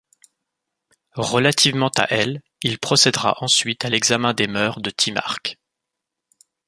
Relativement à elles, il procédera ensuite à l'examen des mœurs de Timarque.